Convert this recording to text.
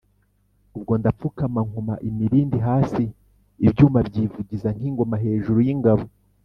ubwo ndapfukama nkoma imilindi hasi ibyuma byivugiza nk’ingoma hejuru y’ingabo,